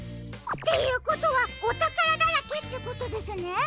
っていうことはおたからだらけってことですね？